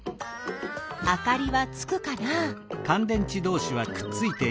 あかりはつくかな？